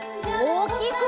おおきく！